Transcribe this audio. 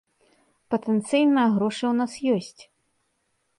Патэнцыйна, грошы ў нас ёсць.